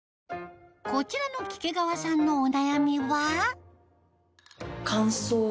こちらの亀卦川さんのお悩みは？